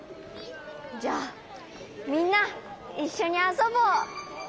じゃあみんないっしょにあそぼう！